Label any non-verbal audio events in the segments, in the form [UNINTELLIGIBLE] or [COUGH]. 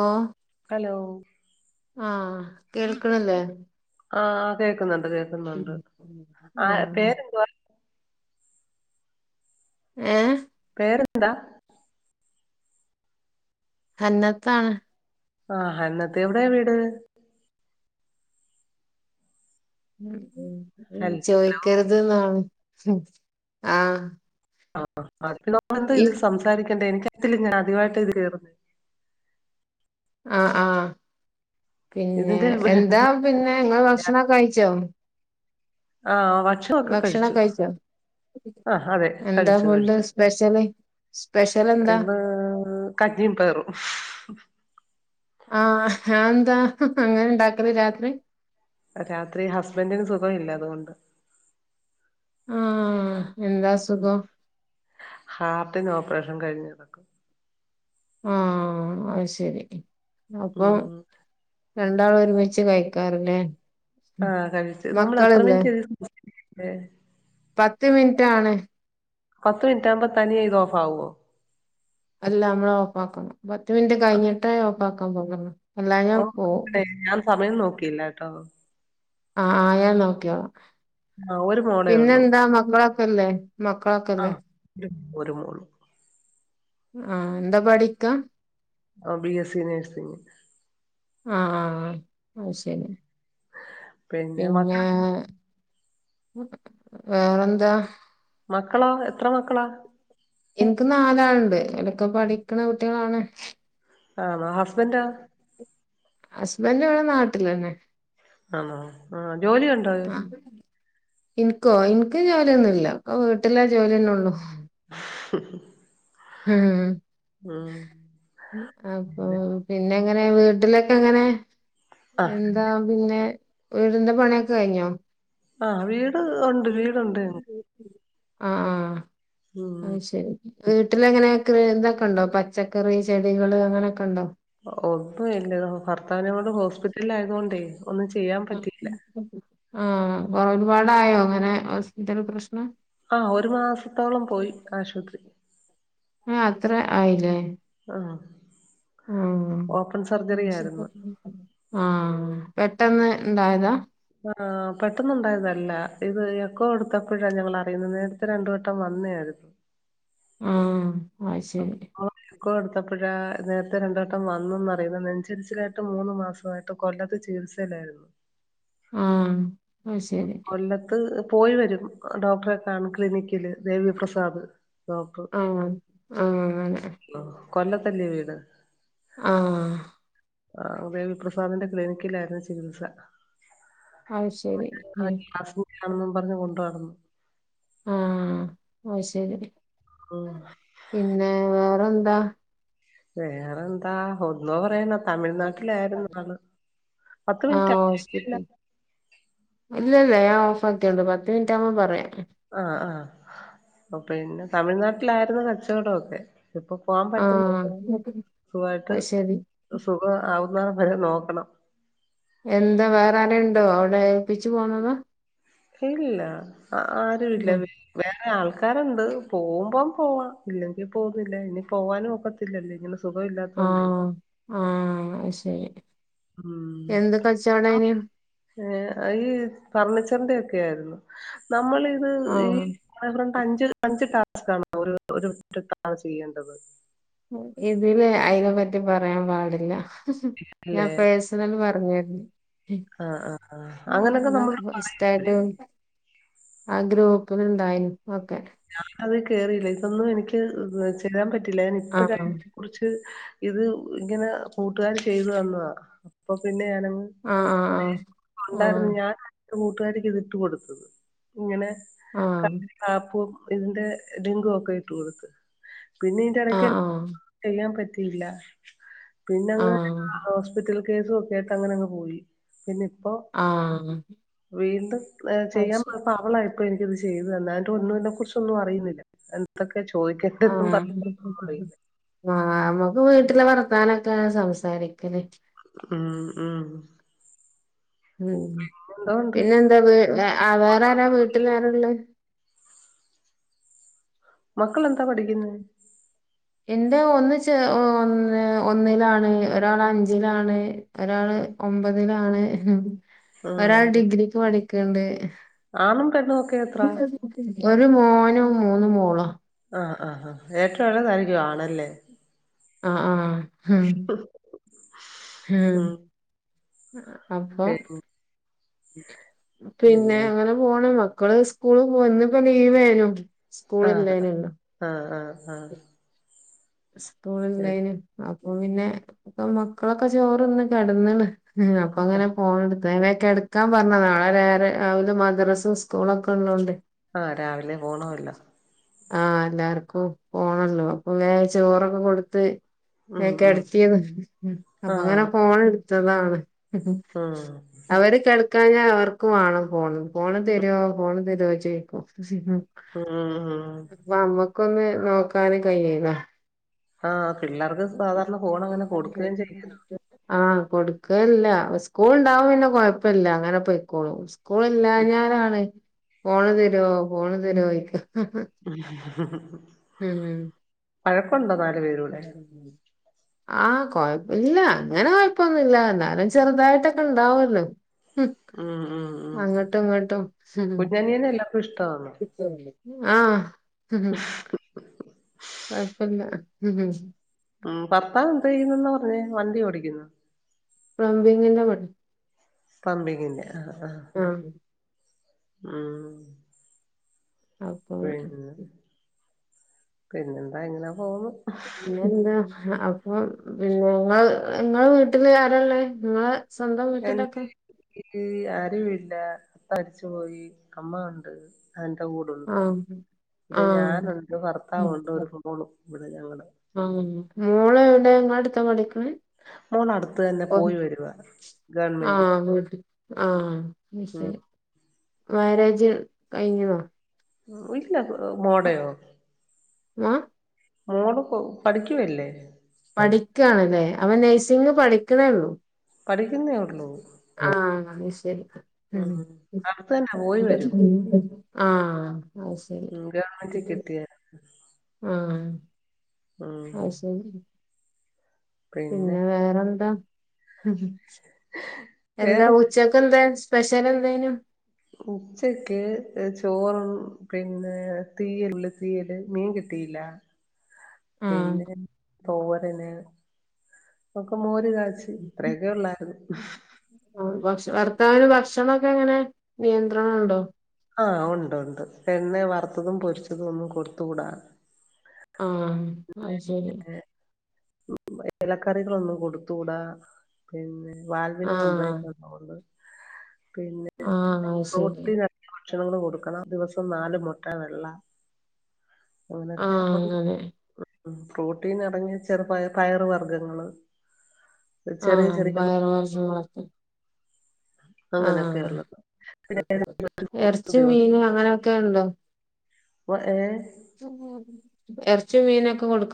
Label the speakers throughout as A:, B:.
A: ഓ
B: hello
A: ആ കേൾക്കണ്ല്ലേ?
B: ആ കേൾക്കുന്നുണ്ട് കേൾക്കുന്നുണ്ട് ആ
A: ആഹ്
B: പേരെന്തുവാ?
A: ഏ
B: വേറെന്താ?
A: ഹന്നത്താണ്.
B: ആ ഹന്നത്ത് എവിടെയ വീട്? ഹൽ
A: ചോയ്ക്കരുതുന്നാണ് മം ആ.
B: [UNINTELLIGIBLE] ഇതിൽ സംരിക്കേണ്ടേ [UNINTELLIGIBLE] ത്തിൽ ഞാൻ ആദിവായിട്ട് ഇതിൽ കേറു
A: ആ ആ പിന്നെ
B: ഇതിന്റെ
A: എന്താ പിന്നെ ഇങ്ങൾ ഭക്ഷണൊക്കെ കഴിച്ചോ?
B: ആ വക്ഷണൊക്കെ
A: ഭക്ഷണം
B: കഴിച്ചു
A: കഴിച്ചോ
B: ആ അതെ
A: എന്താ
B: കഴിച്ചു
A: ഫുഡ്
B: കഴിച്ചു.
A: സ്പെഷ്യല് സ്പെഷ്യൽ എന്താ
B: ഇന്ന് കഞ്ഞി പയറും.
A: ആഹ അതെന്താ അങ്ങനെ ഉണ്ടാക്കല് രാത്രി.
B: രാത്രി ഹസ്ബെന്റിന് സുഖമില്ല അതുകൊണ്ടാ.
A: ആ
B: മം ഹാർട്ടിന് ഓപ്പറേഷൻ കയിഞ്ഞ് കിടക്ക
A: ആ അഹ് ശെരി അപ്പോ
B: ഉം
A: രണ്ടാളും ഒരുമിച്ച് കയിക്കാരില്ലേ?
B: ആ കഴിച്ചു നമ്മൾ എത്രേ മിനിറ്റ്ആ ഇതിൽ സംസാരിക്കണ്ട
A: പത്ത് മിൻറ്റാണ്.
B: പത്ത് മിൻറ്റ് ആകുമ്പോ തനിയ ഇത് ഓഫാവുവോ?
A: അല്ല മ്മള് ഓഫാക്കണം പത് മിൻറ്റ് കഴിഞ്ഞിട്ടേ ഓഫാക്കാൻ പ [INAUDIBLE]
B: ഓ ഞാൻ ട്ട ഞാൻ സമയം നോക്കീലാട്ടോ.
A: ആ ആ ഞാൻ നോക്കിയോള.
B: ആ ഒരു മോളേ ഉള്ളൂ
A: പിന്നെന്താ മക്കളൊക്കെല്ലേ
B: ആ
A: മക്കളൊക്കെല്ലേ?
B: ഒരു ഒരു മോളും.
A: ആ എന്താ പഠിക്ക?
B: ഓ ബി എസി നെസിങ്.
A: ആ ആ അഹ് ശെരി പിന്നെ വേറെ എന്താ
B: മക്കളോ എത്രേ മക്കളാ
A: ഇൻക്ക് നാലാണ്ട് ഓലൊക്കെ പടിക്ക്ണ കുട്ടിയാളാണ്.
B: ആ വാ ഹുസ്ബന്റോ?
A: ഹസ്ബൻഡ് ഇവടെ നാട്ടിലെന്നെ.
B: ആണോ ആ ജോലിയുണ്ടോ?
A: ഇൻക്കോ ഇൻക്ക് ജോലിയൊന്നുല്ല അവീട്ടിലെ ജോലിയെന്നൊള്ളു.
B: ഹ് മം
A: ഹ് മം അപ്പൊ പിന്നെ. എങ്ങനെ വീട്ടിലൊക്കെ എങ്ങനെ
B: ആ
A: എന്താ പിന്നെ. വീടിന്റെ പണിയൊക്കെ കഴിഞ്ഞോ?
B: ആ വീ
A: ആ
B: ഉം
A: അഹ് ശെരി. വീട്ടിലെങ്ങനെ കൃ തൊക്കെണ്ടോ പച്ചക്കറി ചെടികൾ അങ്ങനെ ഒക്കെണ്ടോ?
B: ഒന്നുല്ല ഭർത്താവിനെ കൊണ്ട് ഹോസ്പിറ്റലിൽ ആയതോണ്ടേ.
A: ആഹ കൊറ ഒരുപാടായോ അങ്ങനെ ഇന്തെങ്കിലും പ്രശ്ന
B: ആ ഒരു മാസത്തോളം പോയി ആശുപത്രി
A: ആ അത്ര ആയില്ലേ
B: ആ
A: ആ
B: ഓപ്പൺ സർജറി ആയിരുന്നു
A: ആ പെട്ടെന്ന് ഉണ്ടായതാ
B: ആ പെട്ടെന്നുണ്ടായതല്ല ഇത് എക്കോ എടുത്തപ്പോഴാ ഞങ്ങ അറിയുന്നത് നേരത്തെ രണ്ട്‌വട്ടം വന്ന വന്നെയായിരുന്നു
A: ആ അത് ശരി
B: അപ്പൊ എക്കോ എടുത്തപ്പോഴാ നേരത്തെ രണ്ട് വട്ടം വന്നെന്ന് അറിയുന്നത് നെഞ്ചെരിച്ചിലായിട്ട് മൂന്ന് മാസമായിട്ട് കൊല്ലത്ത് ചികിത്സ ചികിൽസയിലാരുന്നു
A: ആ ആ ശരി
B: കൊല്ലത്ത് പോയി വരും ഡോക്ടറെ കാണാൻ ക്ലിനിക്കില് ദേവി പ്രസാദ്
A: ആ
B: കൊല്ലത്തല്ലേ വീട്
A: ആ
B: ആ ദേവി പ്രസാദിന്റെ ക്ലിനിക്കിലായിരുന്നു ചികിത്സ
A: അത്ശരി ഉം
B: ആണെന്നും പറത്ത് കൊണ്ടു നടന്നു
A: ആ അത് ശരി
B: ഉം
A: പിന്നെ വേറെ അത് എന്താ?
B: വേറെന്താ ഒുന്നോവറേന [UNINTELLIGIBLE] തമിഴ്നാട്ടിലായിരുന്നു ആള് പത്ത് മിനിറ്റ് [UNINTELLIGIBLE]
A: ഇല്ല ഇല്ല ഞാൻ ഓഫ് ആക്കിയാണ്ട് പത്ത് മിനിറ്റ് ആവുമ്പം പറയാം.
B: ആഹ് ആഹ് ഓ പിന്നെ തമിഴ്നാട്ടിലായിരുന്ന് കച്ചവടം ഒക്കെ. ശേ ഇപ്പൊ പോവാൻ പറ്റുന്ന
A: ആഹ്
B: സുഖായിട്ട്
A: അത് ശരി
B: സുഖ ആവ് വേറെ പരിപാടി നോക്കണം.
A: എന്താ വേറെ ആരെലും ഉണ്ടോ അവിടെ ഏൽപ്പിച്ചു പോന്നതാ?
B: ഇല്ല ആരു ഇല്ല വേറെ ആൾക്കാരണ് ണ്ട് പോവുമ്പം പോവാ ഇല്ലെങ്കി പോന്നില്ല ഇനി പോവാനും ഒക്കത്തില്ലല്ലേ? സുഖം ഇല്ലാത്തോണ്ടേ.
A: ആഹ് ആഹ് അത് ശരി
B: ഉം
A: എന്ത് കച്ചവടമാ അതിന്?
B: ഏഹ് അയി ഫർണിച്ചറിന്റെ ഒക്കെ ആയിരുന്നു നമ്മളിത് ഈ
A: ആഹ്
B: [UNINTELLIGIBLE] അഞ്ച് അഞ്ച് ടാസ്ക് ആണോ ഒര് ഒര് ഒറ്റ പ്രാവശ്യം ചെയ്യേണ്ടത്?
A: ഇതില് അയിനെ പറ്റി പറയാൻ പാടില്ല ഞാൻ
B: അല്ലേ
A: പേഴ്സണല് പറഞ്ഞരുന്നു.
B: ആഹ് ആഹ് ആഹ് അങ്ങനൊക്കെ
A: ആഹ്
B: നമ്മള്
A: [UNINTELLIGIBLE] ഉസ്താദും ആ ഗ്രൂപ്പില്ണ്ടായ്ന്നു ഒക്കെ
B: ഞാൻ അത് കേറിയില്ല ഇതൊന്നും എനിക്ക് ഹ് ചേരാൻ പറ്റില്ല ഞാൻ
A: ആഹ്
B: ഇപ്പഴതിനെ കുറിച്ച് ഇത് ഇങ്ങനെ കൂട്ടുകാര് ചെയ്തു തന്നതാ അപ്പൊ പിന്നെ ഞാന
A: ആഹ് ആഹ് ആഹ് ആഹ്
B: ഞാൻ എന്റെ കൂട്ടുകാരിക്ക് ഇതിട്ടു കൊടുത്ത് ഇങ്ങനെ
A: ആഹ്
B: ആപ്പും ഇതിന്റെ ലിങ്ക് ഒക്കെ ഇട്ട് കൊടുത്ത് പിന്നെ ഇയിന്റെ
A: ആ ആ
B: എടക്ക് [UNINTELLIGIBLE] ചെയ്യാൻ പറ്റി ഇല്ല
A: ആ ആ
B: പിന്നങ്ങ് ഹോസ്പിറ്റൽ കേസു ഒക്കെയായിട്ട് അങ്ങനെങ് പോയി പിന്നെ ഇപ്പോ
A: ആഹ്
B: വീണ്ടും ഏഹ് ചെയ്യാൻ പറഞ്ഞപ്പാ അവളായിപ്പോ എനിക്കത് ചെയ്ത് നന്നായിട്ട് ഒന്നും ഇതിനെ കുറിച്ചൊന്നും അറിയുന്നില്ല എന്തക്
A: ആഹ് ആഹ് ഞമ്മക്ക് വീട്ടിലെ വർത്താനൊക്കെ സംസാരി
B: ഉം ഉം
A: ഉം
B: എന്തോ ഉണ്ട്
A: പിന്നെ എന്താ വെ വെ വേറെ ആരാ വീട്ടിൽ വേറെള്ളെ
B: മക്കളെന്താ പഠിക്കുന്നെ?
A: ഇന്റെ ഒന്ന് ചെ ഒന്ന് ഒന്നിലാണ് ഒരാള് അഞ്ചിലാണ്. ഒരാള് ഒമ്പതിലാണ്
B: ഉം
A: ഒരാൾ
B: ഉം.
A: ഡിഗ്രിക്ക് പഠിക്ക്ണ്ട്
B: ആണും പെണ്ണും ഒക്കെ എത്ര?
A: ഒരു മോനും മൂന്ന് മോളാ.
B: ആഹ് ആഹ് ആഹ് ഏറ്റവും എളയതായിരിക്കും ആണല്ലേ?
A: ആഹ് ആഹ് ഹും മ്
B: ഉം
A: അ അ അപ്പൊ
B: പി-
A: പിന്നെ ഇങ്ങനെ പോണ് മ ക്കള് സ്കൂള് പോയി ഇന്ന് ഇപ്പോ ലീവേനും സ്കൂള ഇല്ലേയ്നും അല്ല
B: ആഹ്
A: സ്കൂളുന്നെന് അപ്പൊ പിന്നെ പ്പ മക്കളൊക്കെ ചോറൊന്ന് കിടന്നള് ഉം അപ്പൊ അങ്ങനെ ഫോണെടുത്തേനേ കെടക്കാം പറഞ്ഞതാ നാളെ നേരെ രാവിലെ മദ്രസും സ്കൂളൊക്കെ ഉള്ളോണ്ടെ
B: ആഹ് രാവിലെ പോണല്ലോ
A: ആഹ് എല്ലാർക്കും പോണല്ലോ അപ്പൊ [UNINTELLIGIBLE] ചോറൊക്കെ കൊടുത്ത്
B: ഉം
A: ഏ
B: ഉം
A: ക്കെടുത്തീന്ന് ഉം ഉം
B: ആ
A: അപ്പൊ അങ്ങനെ ഫോണെടുത്തതാണ്
B: ഉം
A: അവര് കട [UNINTELLIGIBLE] അവർക്കും വേണം ഫോൺ ഫോണ് തരുവോ ഫോണ് തരുവോ ചോയിക്കോ ഉം
B: ഉം ഉം.
A: അപ്പൊ അമ്മക്കൊന്ന് നോക്കാന് കഴിയീല്ല
B: ആഹ് പിള്ളേർക്ക് സാധാരണ ഫോൺ അങ്ങനെ കൊടുക്കയും ചെയ്യരുത്
A: ആഹ് കൊടുക്കുകല്ല സ്കൂൾ ഉണ്ടാവ പിന്നെ കൊയപ്പില്ല അങ്ങനെ പോയിക്കോളൂ സ്കൂളില്ലാഞാലാണ് ഫോണ് തരോ ഫോണ് തരോയ്ക്ക
B: ഉം
A: ഉം
B: [UNINTELLIGIBLE]
A: [INAUDIBLE] ആഹ് കൊയപ്പില്ല അങ്ങനെ കൊഴപ്പൊന്നുമില്ല എന്നാലും ചെറുതായിട്ടൊക്കെ ഇണ്ടാവല്ലോ
B: ഉം ഉം ഉം
A: അങ്ങട്ടും ഇങ്ങോട്ടും
B: കുഞ്ഞനിയനെ എല്ലാർക്കും ഇഷ്ടമാണ്
A: [INAUDIBLE] ആഹ് കൊഴപ്പില്ല
B: ഉം ഭർത്താവ് എന്തെയ്യുന്നെന്നാ പറഞ്ഞേ വണ്ടി ഓടിക്കുന്നു
A: പ്ലംബിങ്ങിന്റെ പണി
B: പമ്പിങ്ങിന്റെ
A: ആഹ്
B: ആഹ്
A: അപ്പൊ
B: [UNINTELLIGIBLE] പിന്നെന്താ ഇങ്ങനാ പോന്നു
A: പിന്നെ എന്താ അപ്പൊ പിന്ന ങ്ങള് ങ്ങള് വീട്ടില് ആരല്ലേ ങ്ങള്
B: [INAUDIBLE] ആരുവി [UNINTELLIGIBLE] മരിച്ചു പോയി അമ്മ ഉണ്ട് എന്റെ കൂടുണ്ട്
A: ആഹ്
B: പിന്നെ
A: ആഹ്
B: ഞാനുണ്ട് ഭർത്താവുണ്ട് ഒരു [UNINTELLIGIBLE] ഇവിടെ ഞങ്ങള്
A: ആഹ് മോള എവിടെ ങ്ങള അടുത്ത പഠിക്കണ
B: മോള് അടുത്ത് തന്നെ
A: ഒ
B: പോയി വരുവാ ഗവൺമെന്റ്
A: ആഹ് ആഹ്
B: ഉം
A: ശരി മാരേജ് കഴിഞ്ഞിന്നോ
B: ഇല്ല മോടയോ
A: ആഹ്
B: മോള്പ്പോ പഠിക്കുവല്ലേ
A: [UNINTELLIGIBLE] ആണല്ലേ അവൻ നഴ്സിംഗ പഠിക്കണേള്ളു
B: പഠിക്കുന്നേയുള്ളൂ
A: അത് ശരി
B: അടുത്ത് തന്നെ പോയി വരും
A: ആഹ് അത് ശരി
B: ക് കിട്ടിയേനെ
A: ആഹ് അത് ശരി പിന്നെ വേറെന്താ എന്താ
B: വേറെ
A: ഉച്ചക്കെന്തെ സ്പെഷ്യൽ എന്തേനു
B: ഉച്ചക്ക് ചോറും പിന്നെ തീയല് ഉള്ളിതീയല് മീൻ കി ട്ടീല
A: ആഹ്
B: പിന്നെ തോരന് ഒക്കെ മോ ര് കാച്ചി ഇത്രയൊക്കെ ഉള്ളായിരുന്നു
A: ഭക്ഷ ഭർത്താവിന് ഭക്ഷണൊക്കെ എങ്ങനെ നിയന്ത്രണം ഉണ്ടോ
B: ആഹ് ഒണ്ട് ഒണ്ട് എണ്ണെ വറുത്തതും പൊരിച്ചതും ഒന്നും കൊടുത്തുകൂടാ
A: ആഹ് അത് ശരി
B: എലക്കറികളൊന്നും കൊടുത്തൂടാ പിന്നെ- വാൽവിനെ
A: ആഹ്
B: കംപ്ലൈൻ്റ് ഉണ്ട് അത്കൊണ്ട് പിന്നെ
A: ആഹ് അത് ശരി
B: പ്രോട്ടിൻ അടങ്ങിയത് ഭക്ഷണങ്ങൾ കൊടുക്കണം ദിവസം നാല് മുട്ട വെള്ള അങ്ങനെയൊക്കെ
A: ആഹ്
B: ഉണ്ട്
A: അങ്ങനെ
B: പ്രോട്ടീൻ അടങ്ങിയ ചെറുപയ പയറു വർഗങ്ങള്
A: ആഹ് പയറുവർഗ്ഗങ്ങളൊക്കെ
B: അങ്ങനെയൊക്കെ ഉള്ളത്. പിന്നെ ദിവസം പത്ത്
A: എറച്ചി
B: ദിവസം
A: മീന് അങ്ങനൊക്കെ
B: ഏ
A: ഇറച്ചി മീനൊക്കെ കൊടു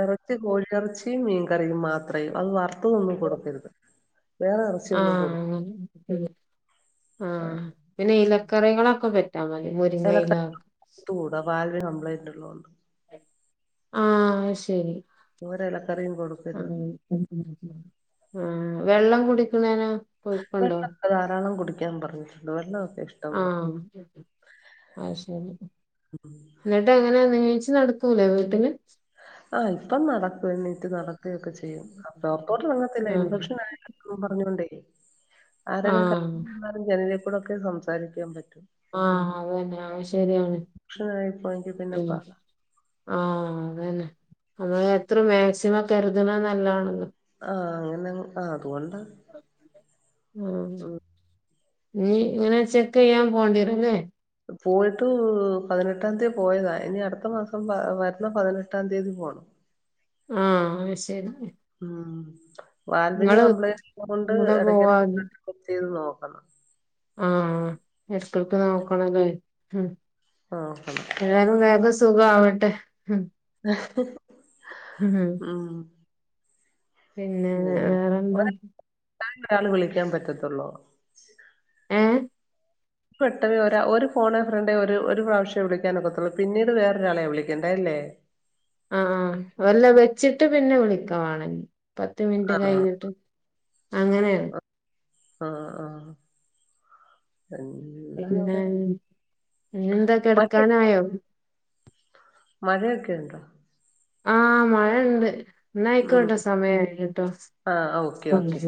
B: ഇറച്ചി കോഴിയിറച്ചിയും മീൻകറിയും മാത്രയും അത് വറുത്തതൊന്നും കൊടുക്കരുത് വേറെ ഇറച്ചിയൊന്നും കൊടുക്ക
A: ആഹ്
B: ആ
A: ആഹ് പിന്നെ ഇലക്കറികളൊക്കെ പ തി മുരിങ്ങയില
B: ഇലക്കറി കൂടാ [UNINTELLIGIBLE]
A: ആഹ് ശരി
B: ഒരില
A: ആഹ് ആഹ് വെള്ളം കുടിക്കുന്നേനോ കൊയപ്പണ്ടോ
B: വെള്ളമൊക്കെ ധാരാളം കുടിക്കാൻ പറഞ്ഞിട്ടുണ്ട് വെള്ളമൊക്കെ ഇഷ്ടം പോലെ
A: ആഹ് അത് ശരി എന്നിട്ട് എങ്ങനെയ എണീച്ച് നടക്കൂലേ വീട്ടില്
B: ആഹ് ഇപ്പം നടക്കും എണീറ്റ് നടക്കു കയൊക്കെ ചെയ്യും. പുറത്തോട്ടിറങ്ങത്തില്ല
A: ആ
B: ഇൻഫെക്ഷൻ ആയാലോന്നും പറഞ്ഞുകൊണ്ടേ ആരേങ്കിലും കാണാൻ
A: ആ
B: വന്നാലും ജനലിക്കൂടെയൊക്കെയെ സംസാരിക്കാൻ പറ്റു
A: ആഹ് അത് തന്നെ അത് ശരിയാണ്
B: ഇൻഫെക്ഷൻ ആയിപ്പോയെങ്കിൽ പിന്നെ
A: ഉം
B: പാടാ
A: ആഹ് അതന്നെ നമ്മള് എത്ര മാക്സിമം കരുതുന്നത് നല്ലതാണത്
B: ആഹ് അങ്ങനെ ആഹ് അതുകൊണ്ട
A: ആ നീ ഇങ്ങനെ ചെക്ക് ചെയ്യാൻ പോണ്ടിവരുംലെ
B: പോയിട്ടു പതിനെട്ടാം തീയതി പോയതാ ഇനി അടുത്ത മാസം വരുന്ന പതിനെട്ടാം തീയതി പോണം
A: ആഹ്
B: ഉം വാൽവിന്
A: നിങ്ങള്
B: കംപ്ലയിന്റ് ഉള്ളത് കൊണ്ട്
A: കൂടെ
B: ഇടക്കിടക്ക്
A: പോവാതി
B: ബ്ലഡ് ടെസ്റ്റ് ചെയ്ത് നോക്കണം
A: ആഹ് ഇടക്കിടക്ക് നോക്കണല്ലേ ഉം
B: നോക്കണം
A: ഏതായലും വേഗം സുഖാവട്ടെ ഉം
B: ഉം
A: പിന്നെ വേറെന്താ
B: ഞൻ ഒരാള് വിളിക്കാൻ പറ്റത്തുള്ളൂ
A: ഏഹ്
B: പെട്ടെന്ന് ഒര ഒര് ഫോന്നേ ഫ്രണ്ടേ ഒരു ഒര് പ്രാവശ്യ വിളിക്കാനൊക്കത്തുള്ളൂ പിന്നീട് വേറൊരാളെ വിളിക്കെണ്ടെ ഏ
A: ആ ആ വല്ല വെച്ചിട്ട് പിന്നെ വിളിക്ക വാണെങ്കി പത്ത് മിനിറ്റ്
B: ആണോ
A: കഴിഞ്ഞിട്ട് അങ്ങനെയാണ്
B: ആ ആ
A: പിന്നെ ഇനിയെന്താ
B: [UNINTELLIGIBLE]
A: കെടക്കാനായോ
B: മഴയൊക്കെണ്ടോ
A: ആ മഴ ണ്ട് ന്നാ
B: ഉം
A: അയ്ക്കോട്ടേ സമയായിണ്ട്ട്ടോ
B: ആ ഓക്കെ ഓക്കെ